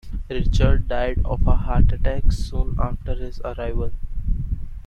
Richards died of a heart attack soon after his arrival.